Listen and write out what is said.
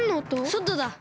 そとだ！